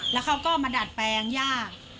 แล้วเขาก็มาดัดแปลงย่า